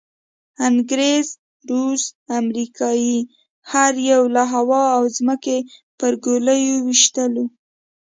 انګریز، روس، امریکې هر یوه له هوا او ځمکې په ګولیو وویشتلو.